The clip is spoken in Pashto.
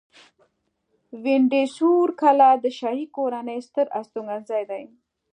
وینډسور کلا د شاهي کورنۍ ستر استوګنځی دی.